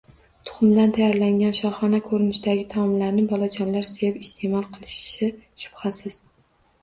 Tuxumdan tayyorlangan shohona ko‘rinishdagi taomlarni bolajonlar sevib iste’mol qilishi shubhasiz